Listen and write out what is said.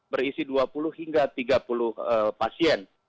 berisi dua puluh hingga tiga puluh pasien